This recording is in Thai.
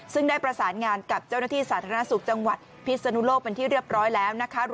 ซึ่งได้ประสานงานกับเจ้าหน้าที่สาธารณสุขจังหวัดพิศนุโลกเป็นที่เรียบร้อยแล้วนะคะ